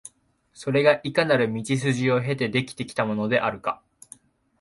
それがいかなる道筋を経て出来てきたものであるか、